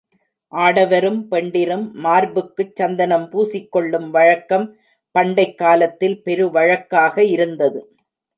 ஆடவரும் பெண்டிரும் மார்புக்குச் சந்தனம் பூசிக்கொள்ளும் வழக்கம் பண்டைக் காலத்தில் பெரு வழக்காக இருந்தது.